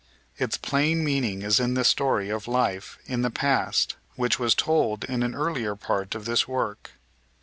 Its plain meaning is in the story of life in the past which was told in an earlier part of this work.